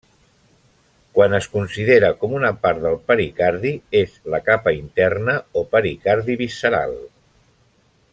Quan es considera com una part del pericardi, és la capa interna o pericardi visceral.